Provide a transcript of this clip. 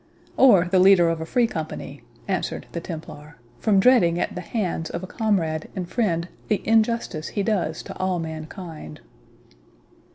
"Or the leader of a Free Company," answered the Templar, "from dreading at the hands of a comrade and friend, the injustice he does to all mankind."